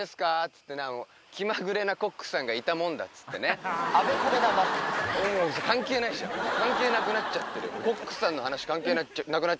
つってね気まぐれなコックさんがいたもんだっつってね関係ないじゃん関係なくなっちゃってる何だよ